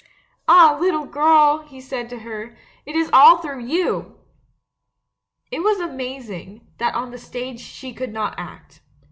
"Ah, little girl," he said to her, "it is all through you!" ' "It was amazing, that on the stage she could not act.